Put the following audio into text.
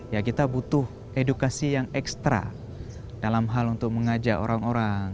ya kita butuh edukasi yang ekstra dalam hal untuk mengajak orang orang